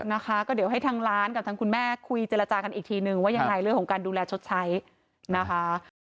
นะคะก็เดี๋ยวให้ทางร้านกับทางคุณแม่คุยเจรจากันอีกทีนึงว่ายังไงเรื่องของการดูแลชดใช้นะคะ